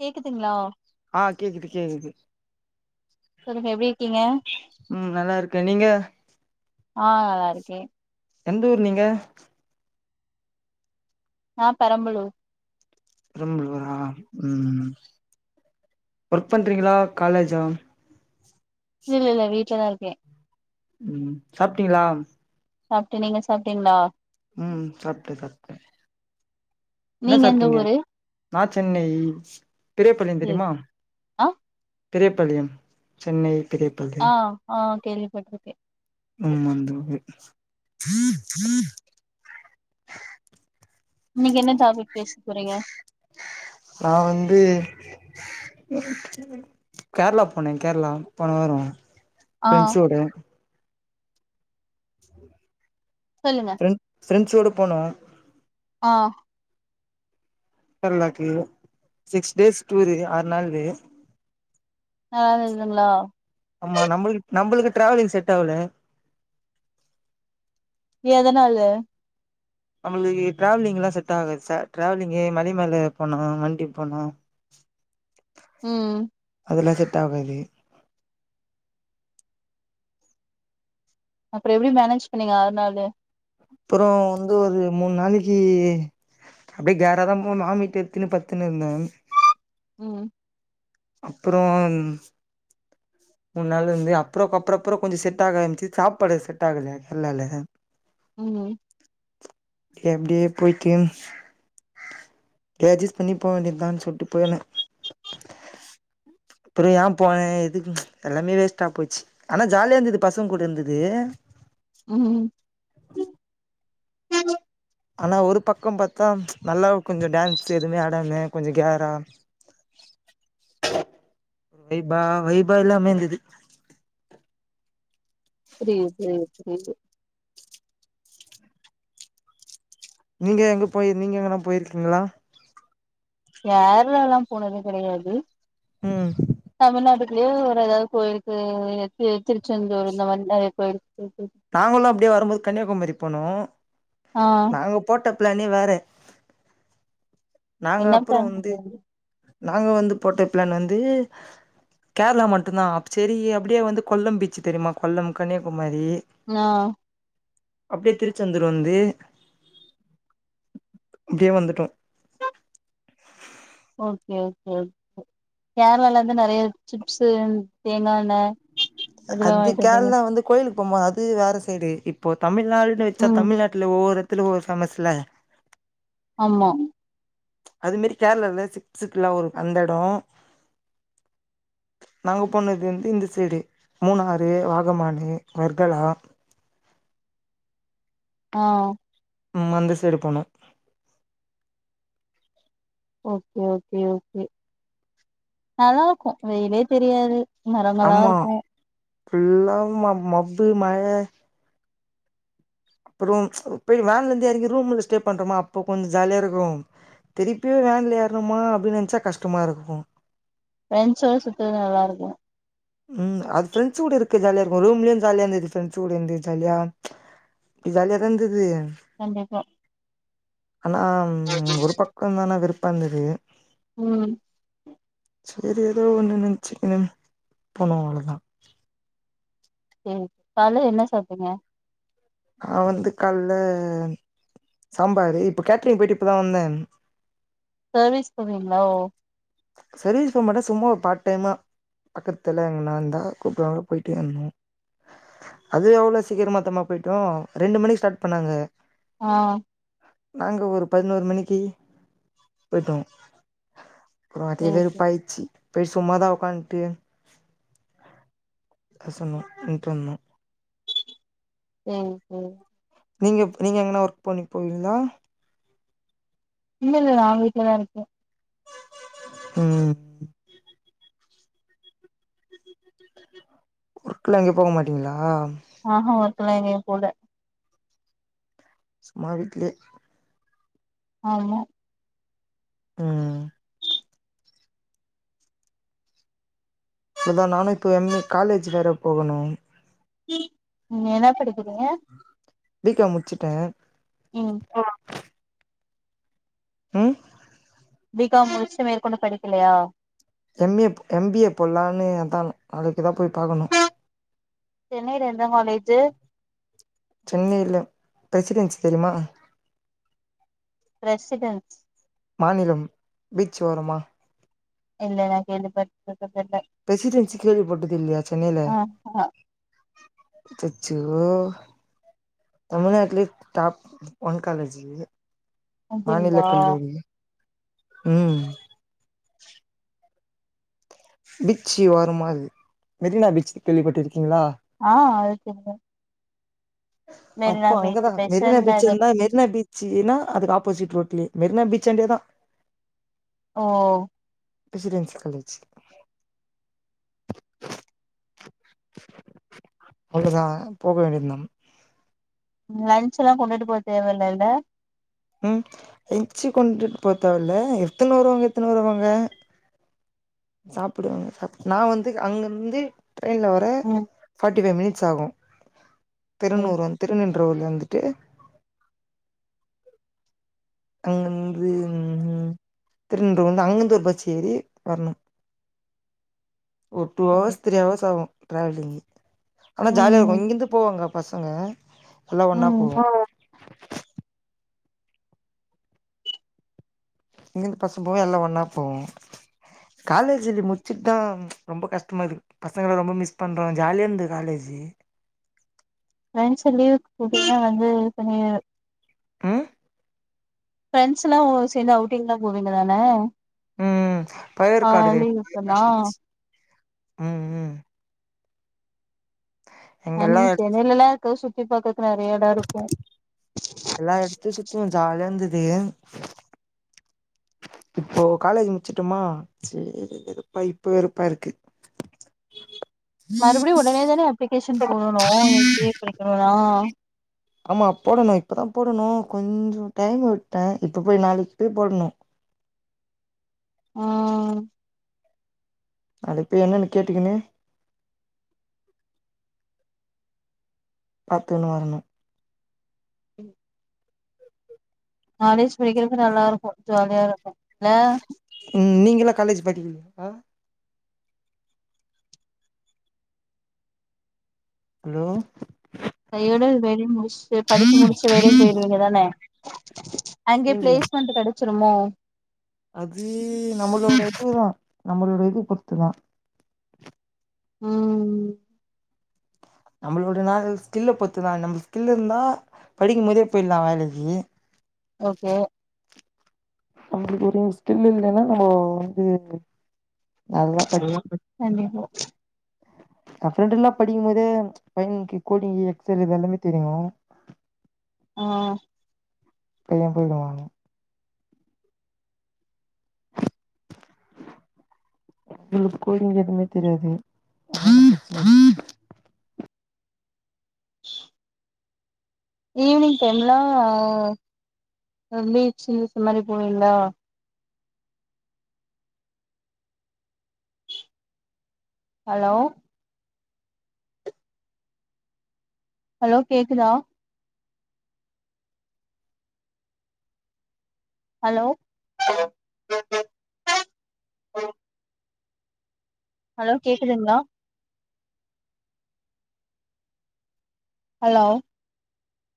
கேக்குதுங்களா ஆஹ கேக்குது கேக்குது. சொல்லுங்க எப்பிடி இருக்கீங்க. க நீங்க. ஆஹ நல்லா இருக்கேன். எந்த ஊர் நீங்க. நா பெரம்பலூர். பெரம்பலூரா உம் ஒர்க் பண்றீங்களா காலேஜா. இல்ல இல்ல வீட்டுலதா இருக்கே. உம் சாப்பிட்டீங்களா. சாப்டேன் நீங்க சாப்பிட்டீங்களா. உம் சாப்ட சாப்ட. என்ன நீங்க எந்த சாப்பிட்டீங்க ஊரு நான் சென்னை பெரியபாளியம் ம். தெரியுமா. ஆ பெரியப்பாளியம் சென்னை. பெரியபாளையம் ஆஹ ஆஹ கேள்விப்பட்டுருக்கே. ம் [unintelligible] நீங்க என்ன டாபிக் பேசபோறீங்க. நா வந்து கேரளா போனேன் கேரளா போன வாரோ. ஆ ஃப்ரெண்ட்ஸ் ஓட. சொல்லுங்க. ஃப்ரெண்ட்ஸ்ஸோட போன. ஆஹ. கேரளாக்கு சிக்ஸ் டேஸ் டூரு ஆறு நாளு. நல்லா இருதுங்களா. ஆமா நம்மளுக்கு நம்மளுக்கு டிராவலிங் செட் ஆவுல. எதனால. நம்மளுக்கு டிராவலிங்ல்லாம் செட் ஆகாது சார் டிராவலிங்கு மலி மேல போனும் வண்டி போனும். உம். அதெல்லாம் செட் ஆகாது. அப்புறோ எப்படி மேனேஜ் பண்ணீங்க ஆறு நாளு. அப்புறோ வந்து ஒரு மூணு நாளைக்கு அப்படியே கேறாதான் போன வாமிட்டு எடுத்துன்னு பத்துன்னுருந்த. உம். அப்புறோ மூணு நாளு இருந்து அப்புறோக் அப்புறோ அப்புறோ கொஞ்சம் செட் ஆக ஆரம்பிச்சுருச்சு சாப்பாடு செட் ஆகல நல்லால்ல. உம். ம்ச் எப்படியே போயிட்டு ஆட்ஜகஸ் பண்ணி போ வேண்டியதுதான்னு சொல்லிட்டு போன. உம். அப்புறோ ஏன் போனேன் இது ம்ச் எல்லாமே வேஸ்ட்டா போச்சு. ஆனா ஜாலியா இருந்தது பசங்க கூட இருந்தது. உஹம். உஹம். ஆனா ஒரு பக்கம் பாத்தா நல்லா கொஞ்ச டான்ஸ் எதுவுமே ஆடலே கொஞ்ச கேரா வைபா வைபா எல்லாமே இருந்தது புரியுது புரியுது புரியுது நீங்க எங்க போய் நீங்க எங்கனா போயிருக்கீங்களா கேரளால்லா போனது கெடையாது ம் தமிழ்நாடு குள்ளயே ஒரு எதாவது கோயிலுக்கு இது திருச்செந்தூர் இந்த மாரி நெறைய கோயிலுக்கு போயிட்டு நாங்களு அப்டியே வரும்போது கன்னியாகுமரி போனோ ஆ நாங்க போட்ட பிளானே வேற நாங்க என்ன அப்புறோ பிளான் வந்து போட்டாப்டி நாங்க வந்து போட்ட பிளான் வந்து கேரளா மட்டும்தா அப்ப சேரி அப்டியே வந்து கொல்லம் பீச்சு தெரியுமா கொல்லம் கன்னியாகுமாரி ஆ அப்டியே திருச்செந்தூர் வந்து அப்டியே வந்துட்டோ ஓகே ஓகே ஓகே கேரளாலர்ந்து நெறைய சிப்ஸு தேங்கா எண்ணெ இதெல்லா அது வாங்கிட்டு வந்தீங்க கேரளா வந்து கோயிலு க்கு போம்போது அது வேற சைடு இப்போ தமிழ் நாள்ன்னு வச்சா ம் தமிழ்நாட்ல ஒவ்வொரு [unintelligible] ஆமா அது மேரி கேரளால சிப்ஸ்க்குலா ஒரு அந்த எடோ நாங்க போனது வந்து இந்த சைடு மூணாறு வாகமானு வர்கலா ஆ உம் அந்த சைடு போணோ ஓகே ஓகே ஓகே நல்லா இருக்கு வெயிலே தெரியாது மரமல்லா ஆமா இருக்கு ஃபுல்லா ம மப்பு மழ அப்புறம் போய் வேன்ல இருந்து எறங்கி ரூம்ல ஸ்டே பண்றோமா அப்போ கொஞ்ச ஜாலியா இருக்கும் திருப்பி வேன்ல ஏறணுமா அப்டின்னு நெனைச்சா கஷ்டமா இருக்கு ஃபிரெண்ட்ஸோட சுத்துறது நல்லா இருக்கு உம் அது ஃப்ரெண்ட்ஸ் கூட இருக்க ஜாலியா இருக்கு ரூம்லயு ஜாலியா இருந்தது ஃப்ரெண்ட்ஸ் கூட இருந்து ஜாலியா இது ஜாலியா இருந்தது கண்டிப்பா ஆனா ஒரு பக்கம்தான விருப் வந்துது உம் சரி ஏதோ ஒன்னு நெனச்சுக்குனு போனோ அவ்ளோதா ம் கால்ல என்ன சாப்ட்டீங்க நா வந்து கால்ல சாம்பாரு இப்ப கேட்ரிங் போயிட்டு இப்பதா வந்தே சர்வீஸ் போவீங்களோ சர்வீஸ் பண்ண மாட்டே சும்மா ஒரு பார்ட் டைமா பக்கத்துல எங்க நான்ந்தா கூப்ட்டாங்க போயிட்டு வந்தோ அதுவு எவ்வளவு சீக்கிர மொத்தமா போயிட்டோ ரெண்டு மணிக்கு ஸ்டார்ட் பண்ணாங்க ஆஹ் நாங்க ஒரு பதினோரு மணிக்கு போயிட்டோ அப்புறோ அதே சேரி சேரி வெறுப்பாய்ட்ச்சி பெய் சுமாாதான்வுகண்டி அசனு உட்டுந்து ம் ம் நீங்க நீங்க எங்கனா ஒர்க் பண்ணி போவீங்களா இல்ல இல்ல நான் வீட்டுலதான் இருக்கேன் ம் ஓர்க்லாம் எங்க போக மாட்டீங்களா ஆஹ் ஹ ஒர்க்லாம் எங்கேயும் போல சும்மா வீட்லே ஆமா ம் இதான் நானும் இப்போ எம் ஏ காலேஜ் வேற போகணும் நீங்க என்ன படிக்கறீங்க பிகாம் முடிச்சுட்டேன் ம் ஹம் பிகாம் முடிச்சிட்டு மேற்கொண்டு படிக்கலையா எம் ஏ எம் ம் பிஏ போடலான்னுதான் நாளைக்குதான் போய் பாக்கணும் சென்னைல எந்த காலேஜு சென்னையில பிரசிடென்சி தெரியுமா பிரசிடென்ஸ் மாநிலம் பீச் ஓரமா இல்ல ந கேள்விபட்டதில்ல பிரசிடென்சி கேள்விபட்டது இல்லயா ஆஹ் ஆஹ் அச்சச்சோ தமிழ்நாட்ல டாப் ஒன் காலேஜ் மாநில அப்டிங்களா கல்லூரி ம் பீட்சி ஓரமா மெரினா பிச்சு கேள்விப்பட்டிருக் ஆஹ் அது தெரியுமே அப்போ அங்கதான் மெரினா பெசன்ட் பீச்ச நகர் இருந்தான் பீச் மெரினா பீச்சன்னா அதுக்கு ஆப்போசிட் ரோட் மெரினா பீச் அண்ட ஏதான் ஓ ப்ரெசிடென்சி காலேஜ் அவ்வளவுதான் போக வேண்டியதான் லன்ச் எல்லா கொண்டுட்டு போக தேவலல்ல ம் எச்சு கொண்டுட்டு போத்தல எத்தனோ வருவாங்க எத்தன வருவாங்க சாப்படுவாங்க நான வந்து அங்க வந்து ட்ரைன்ல் வர ம் ஃப்ட்டிஃபை் மினிட்ஸ் ஆகும் சேரி திருநூற திருநின்றவூர்ல இருந்து [inaudible] அங்கந்து உ திருநின்ர வந்து அங்கந்தூ பட்ச் ஏரி வரணும் ஓ டூ தம்பி அவஹர்ஸ் த்ரீ அவஹர்ஸ் ஆகும் ட்ராலி ஆனா ஜாலியா இருக்கும் ம் இங்கிருந்து போவாங்க பசங்க எல்லாம் ஒன்னா ம் போவோ இங்கிருந்து பஸ் போவ எல்லா ஒண்ணா போவோ காலேஜ் முடிச்சிட்டு தான் ரொம்ப கஷ்டமா இருக்கு பசங்க ரொம்ப மிஸ் பண்றோ ஜாலியா இருந்தது காலேஜ் ஃப்ரெண்ட்ச லீவுக்கு கூட்டிதான் வந்து கொஞ் ம் ஃப்ரெண்ட்ஸ் எல்லா சேர்ந்து அவுட்டிங்கல்லா போவீங்க அண்னே உம் உம் பயர் காடுத பயர் லீவுக்கெல்லா காட்டிச்சி உம் உம் ஹ் நீங்க சென்னையில்லாம் இருக்க சு இப்ப அது எல்லாம் எடுத்து சுத்துவேம் ஜாலிய இருந்து ஏ இப்போ காலேஜ் முடிச்சிட்டுமா சேரி வெறுப்பா இப்ப வெறுப்பா இருக்கு மறுபடியும் உடனே தானே அப்ளிகேஷன் போடணும் எம்பிஏ படிக்கனுனா ஆமா போடணு இப்பதான் போடணு கொஞ்ச டைம் விட்டேன் இப்ப போய் நாளைக்கு போய் போடணு உஹம் அதுப்பு பெய் என்னன்னு கேட்டுக்கன்னு பாத்துன்னு வரணு உம் காலேஜ் படிக்கிறது நல்லா இருக்கும் ஜாலியா இருக்கும் லெ உம் நீங்க எல்லாம் காலேஜ் படிக்கலா ப ஹலோ கையோட வேலைய முடிச்சு படிப்பு முடிச்சு வேலைக்கு போயிருக்கவேண்டியது தானே [unintelligible] அங்க நீங்களா பிளேஸ்மண்ட் கடை செத்துருமே அது நம்மளோட இதுதான் நம்மளோட இது பொருத்துதான் உம் உம் நம்மளோடைய நாள் ஸ்கில்ல பொத்து தான் நம்ம ஸ்கில்ல இருந்தா படிக்கும்போதே போயிடலாம் வேலைக்கு ஓகே நம்மளுக்கு ஒரு ஸ்கில் இல்லைன்னா நம்ம வந்து நல்லா நல்ல படிச்சண்ட எ ஃப்ரெண்டு எல்லாம் படிக்கும் போதே பையனுக்கு கோடிங் எக்சல் இது எல்லாமே தெரியும் ஆஹ் பை போய்டுவாங்க உ கோடிங்க எதுவுமே தெரியாது ஈவினிங் டைம்லாம் பீச்சு இமாரி போவீங்களா ஹலோ ஹலோ கேக்குதா ஹலோ ஹலோ கேக்குதுங்களா ஹலோ